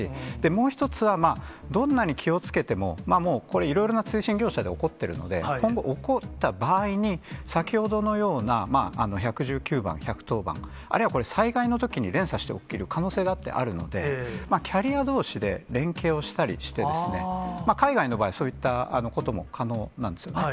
もう一つは、どんなに気をつけても、もう、これ、いろいろな通信業者で起こってるので、今後、起こった場合に、先ほどのような、１１９番、１１０番、あるいはこれ災害のときに連鎖して起きる可能性だってあるので、キャリアどうしで連携をしたりして、海外の場合、そういったことも可能なんですよね。